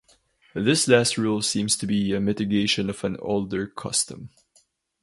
This last rule seems to be a mitigation of an older custom.